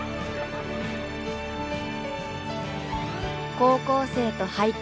高校生と俳句。